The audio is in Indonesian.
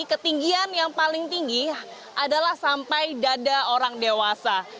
ketinggian yang paling tinggi adalah sampai dada orang dewasa